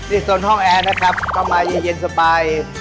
โซนห้องแอร์นะครับก็มาเย็นสบาย